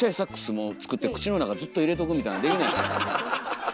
もう作って口の中ずっと入れとくみたいなできないですかね。